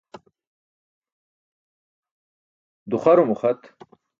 Duxarum uxat.